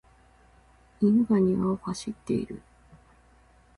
犬が庭を走っている。